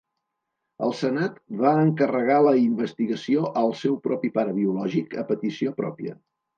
El senat va encarregar la investigació al seu propi pare biològic a petició pròpia.